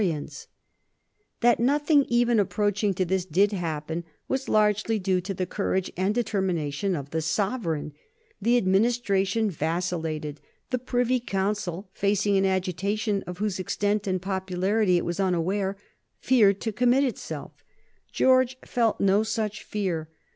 [Sidenote: 1780 Stern action by the authorities] That nothing even approaching to this did happen was largely due to the courage and the determination of the Sovereign. The Administration vacillated. The Privy Council, facing an agitation of whose extent and popularity it was unaware, feared to commit itself. George felt no such fear.